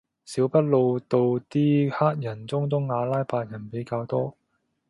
小北路度啲黑人中東阿拉伯人比較多